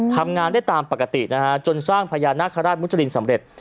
ทำงานได้ตามปกตินะฮะจนสร้างพญานาคาราชมุจรินสำเร็จ